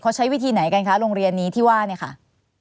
เขาใช้วิธีไหนกันคะโรงเรียนนี้ที่ว่าเนี่ยค่ะ